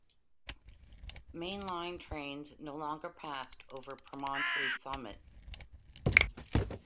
Main line trains no longer passed over Promontory Summit.